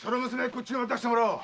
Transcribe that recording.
こっちに渡してもらおう。